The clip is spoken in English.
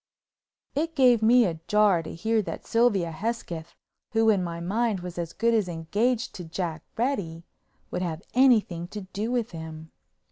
It gave me a jar to hear that Sylvia Hesketh—who, in my mind, was as good as engaged to Jack Reddy—would have anything to do with him.